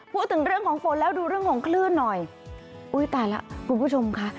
พูดถึงเรื่องของฝนแล้วดูเรื่องของคลื่นหน่อยอุ้ยตายแล้วคุณผู้ชมค่ะ